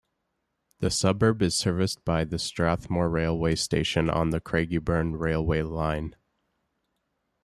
The suburb is serviced by the Strathmore railway station on the Craigieburn railway line.